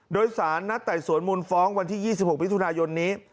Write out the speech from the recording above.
โดยสารนัดไต่สวนมูลฟ้องวันที่๒๖มิถุนายนนี้